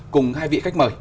cùng hai vị khách mời